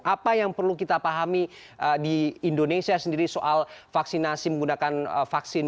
apa yang perlu kita pahami di indonesia sendiri soal vaksinasi menggunakan vaksin